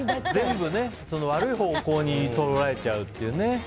全部、悪い方向に捉えちゃうっていうね。